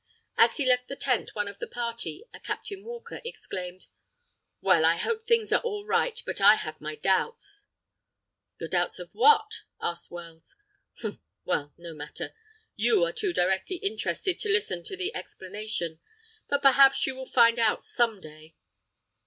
As he left the tent one of the party, a Captain Walker, exclaimed: "Well, I hope things are all right, but I have my doubts!" "Your doubts of what?" asked Wells. "Humph! well, no matter. You are too directly interested to listen to the explanation. But, perhaps you will find out some day."